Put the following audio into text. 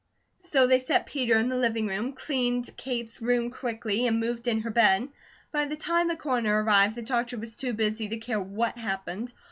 So they set Peter in the living room, cleaned Kate's room quickly, and moved in her bed. By the time the Coroner arrived, the doctor was too busy to care what happened.